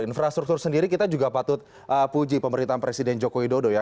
infrastruktur sendiri kita juga patut puji pemerintahan presiden joko widodo ya